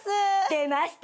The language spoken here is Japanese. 出ました。